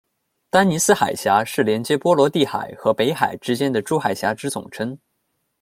丹尼斯海峡是连结波罗的海和北海之间的诸海峡之总称。